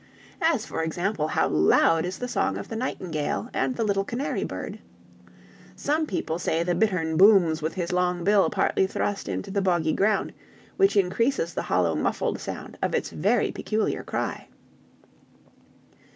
As, for example, how loud is the song of the nightingale and the little canary bird. Some people say the bittern booms with his long bill partly thrust into the boggy ground, which increases the hollow muffled sound of its very peculiar cry."